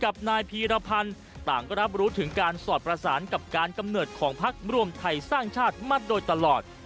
กับนายพีรพันธ์ต่างก็รับรู้ถึงการสอดประสานกับการกำเนิดของพักรวมไทยสร้างชาติมาโดยตลอด